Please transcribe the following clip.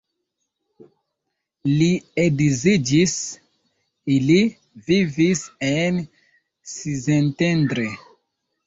Li edziĝis, ili vivis en Szentendre.